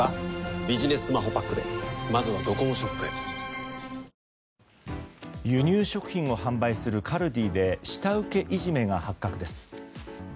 本麒麟輸入食品を販売するカルディで下請けいじめが発覚です。